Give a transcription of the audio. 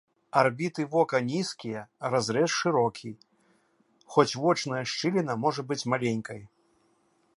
Арбіты вока нізкія, разрэз шырокі, хоць вочная шчыліна можа быць маленькай.